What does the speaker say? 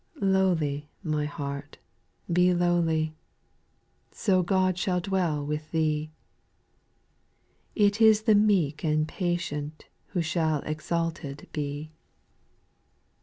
4. Lowly, my heart, be lowly. So God shall dwell with Thee; It is the meek and patient Who shall exalted be.